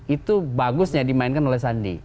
itu bagusnya dimainkan oleh sandi